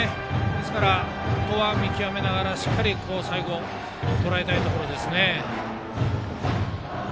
ですから、あとは見極めながらしっかり最後とらえたいところですね。